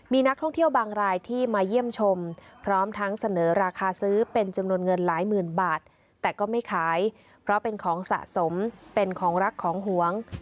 มีนักท่องเที่ยวบางรายที่มาเยี่ยมชมพร้อมทั้งเสนอราคาซื้อเป็นจำนวนเงินหลายหมื่นบาทแต่ก็ไม่ขายเพราะเป็นของสะสมเป็นของรักของหวง